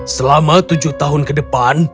selama tujuh tahun ke depan